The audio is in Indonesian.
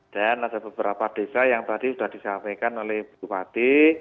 dan ada beberapa desa yang tadi sudah disampaikan oleh buku bati